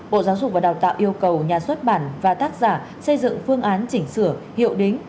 bộ giáo dục và đào tạo yêu cầu nhà xuất bản và tác giả xây dựng phương án chỉnh sửa hiệu đính